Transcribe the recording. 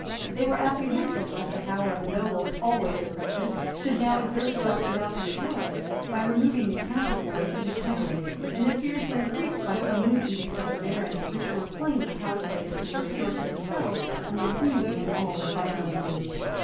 They were apprehensive lest the power of the nobles, always oppressive, should now exert itself without control, by removing the counterpoise of the crown; and their fears were increased by some new edicts of the barons, which were plainly calculated to procure to themselves an impunity in all their violences.